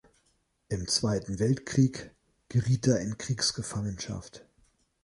Im Zweiten Weltkrieg geriet er in Kriegsgefangenschaft.